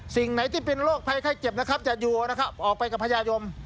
สิ่งไหนที่เป็นโรคภัยไข้เจ็บนะครับจะอยู่นะครับออกไปกับพญายม